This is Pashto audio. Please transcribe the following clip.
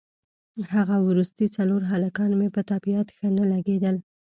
هغه وروستي څلور هلکان مې په طبیعت ښه نه لګېدل.